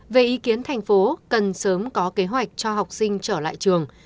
về ý kiến thành phố cần sớm có kế hoạch cho học sinh trở lại trường